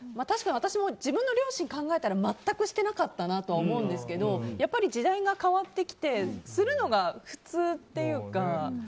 確かに私も、自分の両親を考えたら、全くしてなかったと思うんですけどやっぱり時代が変わってきてするのが普通っていうか。